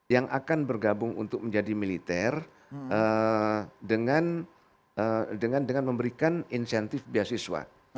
yang akan bergabung untuk menjadi militer dengan memberikan insentif beasiswa